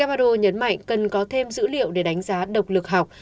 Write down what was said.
quốc gia đã ghi nhận ca nhiễm biến mạnh cần có thêm dữ liệu để đánh giá độc lực học